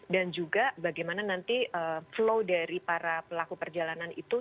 dan juga bagaimana nanti flow dari para pelaku perjalanan itu